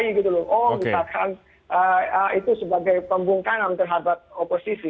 oh misalkan itu sebagai pembungkahan terhadap oposisi